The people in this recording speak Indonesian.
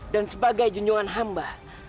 dan sebagai junjungan hamba